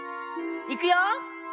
いくよ。